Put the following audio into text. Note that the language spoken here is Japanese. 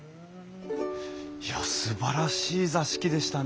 いやすばらしい座敷でしたね。